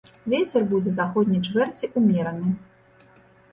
Вецер будзе заходняй чвэрці ўмераны.